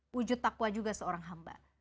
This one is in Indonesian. wujud takwa juga seorang hamba